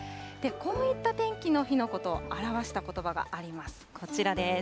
こういった天気の日のことを表したことばがあります。